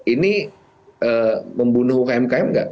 ini membunuh umkm nggak